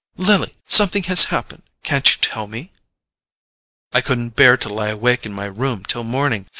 "Lily! Something has happened—can't you tell me?" "I couldn't bear to lie awake in my room till morning.